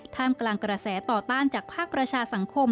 ท่ามกลางกระแสต่อต้านจากภาคประชาสังคม